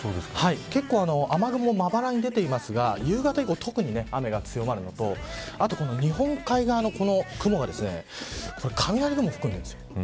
結構、雨雲まばらに出ていますが夕方以降、特に雨が強まるのとあと日本海側の雲が雷雲を含んでいるんです。